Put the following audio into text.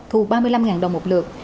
thu ba mươi năm đồng một lượt